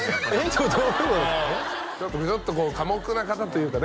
それどういうちょっと寡黙な方というかね